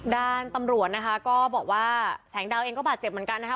ด้านตำรวจนะคะก็บอกว่าแสงดาวเองก็บาดเจ็บเหมือนกันนะคะ